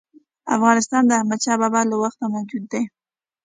افغانستان د احمدشاه بابا له وخته موجود دی.